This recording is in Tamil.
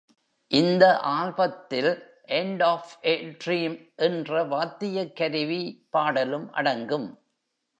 இந்த ஆல்பத்தில் "எண்ட் ஆஃப் எ ட்ரீம்" என்ற வாத்தியக்கருவி பாடலும் அடங்கும்.